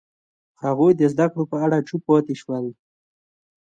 هغوی د زده کړو په اړه چوپ پاتې شول.